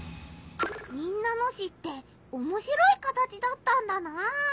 民奈野市っておもしろい形だったんだなあ。